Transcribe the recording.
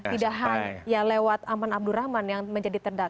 tidak hanya lewat aman abdurrahman yang menjadi terdakwa